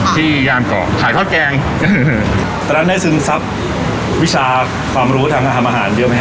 ที่ยานก่อนขายข้อแกงแต่ละได้ซึมทรัพย์วิชาความรู้ทางทำอาหารด้วยไหมครับ